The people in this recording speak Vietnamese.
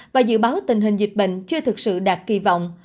và dự báo tình hình dịch bệnh chưa thực sự đạt kỳ vọng